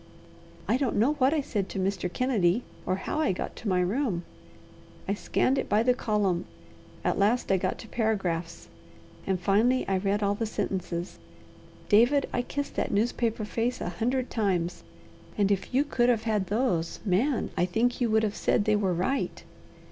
"I don't know what I said to Mr. Kennedy or how I got to my room. I scanned it by the column, at last I got to paragraphs, and finally I read all the sentences. David, I kissed that newspaper face a hundred times, and if you could have had those, Man, I think you would have said they were right.